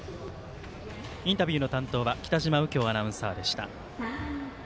インタビューの担当は北嶋右京アナウンサーでした。